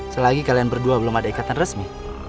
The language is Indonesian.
selagi kalian berdua belum ada ikatan resmi